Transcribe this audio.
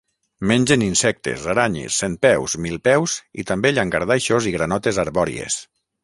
Mengen insectes, aranyes, centpeus, milpeus, i també llangardaixos i granotes arbòries.